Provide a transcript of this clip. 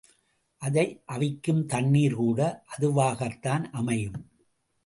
அதை அவிக்கும் தண்ணீர்கூட அதுவாகத்தான் அமையும்.